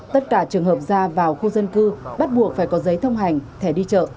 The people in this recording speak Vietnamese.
tất cả trường hợp ra vào khu dân cư bắt buộc phải có giấy thông hành thẻ đi chợ